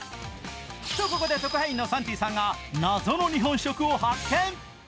と、ここで特派員のサンティさんが謎の日本食を発見。